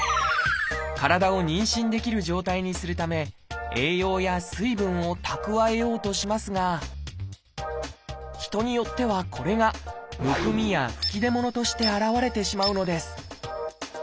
体を妊娠できる状態にするため栄養や水分を蓄えようとしますが人によってはこれがむくみや吹き出物として現れてしまうのです。